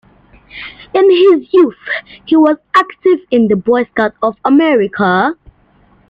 In his youth, he was active in the Boy Scouts of America.